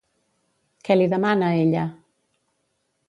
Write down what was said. Què li demana, ella?